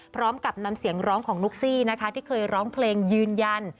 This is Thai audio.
พร้อมกับนำเสียงร้องของนุ๊กซี่นะคะที่เคยร้องเพลงยืนยัน